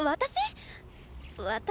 私？